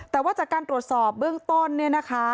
แต่ว่าจากการตรวจสอบเบื้องต้น